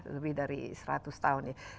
lebih dari seratus tahun ya